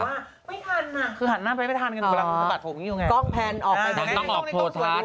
คือหันหน้าไม่ทันเวลาต้องสกัดผมอยู่ไง